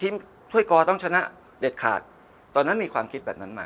ถ้วยกอต้องชนะเด็ดขาดตอนนั้นมีความคิดแบบนั้นมา